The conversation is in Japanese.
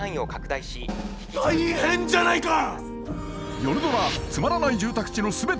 大変じゃないか。